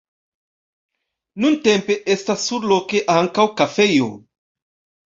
Nuntempe estas surloke ankaŭ kafejo.